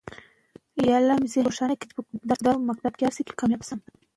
ښوونځې تللې مور د کور هوا تازه ساتي.